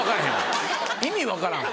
意味分からへんわ！